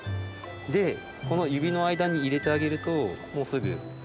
でこの指の間に入れてあげるともうすぐ。